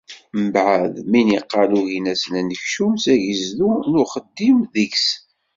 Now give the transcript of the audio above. Mbeɛd mi niqal ugin-asen anekcum s agezdu d uxeddim deg-s.